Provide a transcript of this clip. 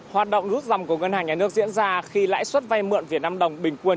hoạt động rút dòng của ngân hàng nhà nước diễn ra khi lãi suất vay mượn việt nam đồng bình quân